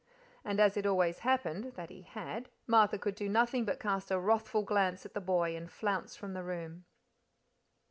And as it always happened, that he had, Martha could do nothing but cast a wrathful glance at the boy and flounce from the room.